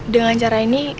dengan cara ini